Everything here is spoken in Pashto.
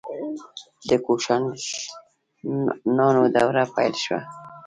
د کوشانشاهانو دوره پیل شوه